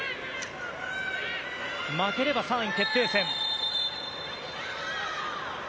負ければ３位決定戦。